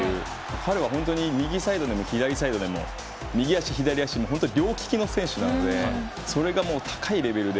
彼は本当に右サイドでも左サイドでも右足、左足、両利きの選手なのでそれが高いレベルで。